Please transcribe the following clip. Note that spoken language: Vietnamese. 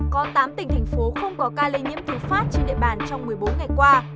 có tám tỉnh thành phố không có ca lây nhiễm thứ phát trên địa bàn trong một mươi bốn ngày qua